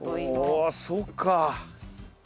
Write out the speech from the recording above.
おそっか。